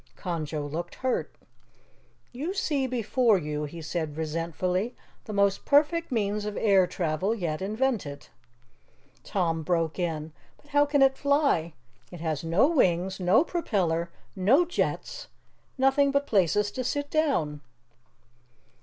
Conjo looked hurt. "You see before you," he said resentfully, "the most perfect means of air travel yet invented." Tom broke in: "But how can it fly? It has no wings, no propeller, no jets nothing but places to sit down!"